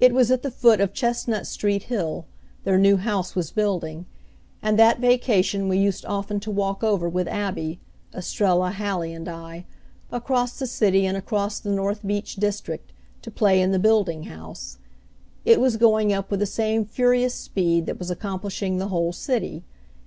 It was at the foot of Chestnut Street Hill their new house was building, and that vacation we used often to walk over with Abby Estrella, Hallie and I across the city and across the North Beach district to play in the building house. It was going up with the same furious speed that was accomplishing the whole city.